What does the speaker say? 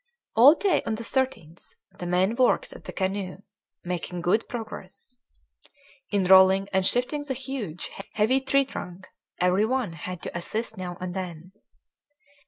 All day on the 13th the men worked at the canoe, making good progress. In rolling and shifting the huge, heavy tree trunk every one had to assist now and then.